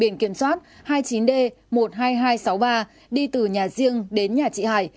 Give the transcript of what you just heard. biển kiểm soát hai mươi chín d một mươi hai nghìn hai trăm sáu mươi ba đi từ nhà riêng đến nhà chị hải